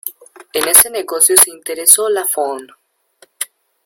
En ese negocio se interesó Lafone.